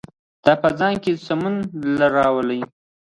دا په ځان کې سمون راولي.